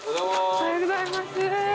おはようございます。